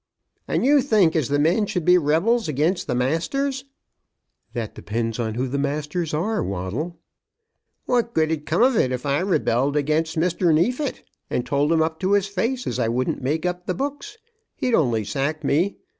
"And you think as the men should be rebels again' the masters?" "That depends on who the masters are, Waddle." "What good 'd cum of it if I rebelled again' Mr. Neefit, and told him up to his face as I wouldn't make up the books? He'd only sack me.